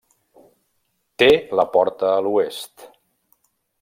Té la porta a l'oest.